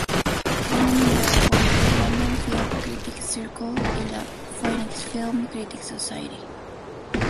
Fue nominada por el London Film Critics' Circle y la Phoenix Film Critics Society.